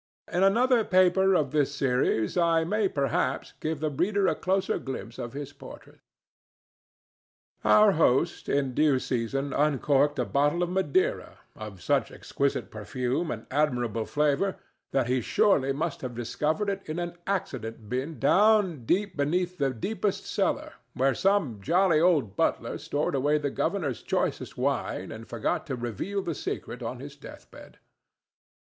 In another paper of this series I may perhaps give the reader a closer glimpse of his portrait. Our host in due season uncorked a bottle of Madeira of such exquisite perfume and admirable flavor that he surely must have discovered it in an ancient bin down deep beneath the deepest cellar where some jolly old butler stored away the governor's choicest wine and forgot to reveal the secret on his death bed.